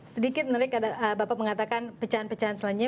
sedikit menarik bapak mengatakan pecahan pecahan selanjutnya